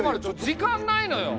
時間ないのよ。